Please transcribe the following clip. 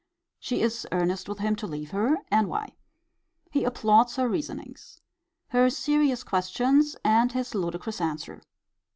She is earnest with him to leave her: and why. He applauds her reasonings. Her serious questions, and his ludicrous answer.